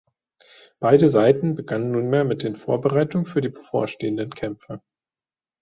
Beide Seiten begannen nunmehr mit den Vorbereitungen für die bevorstehenden Kämpfe.